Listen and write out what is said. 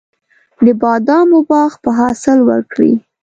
د بادامو باغ به حاصل وکړي.